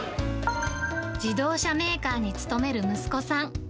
自動車メーカーに勤める息子さん。